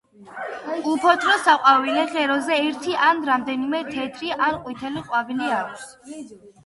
უფოთლო საყვავილე ღეროზე ერთი ან რამდენიმე თეთრი ან ყვითელი ყვავილი აქვს.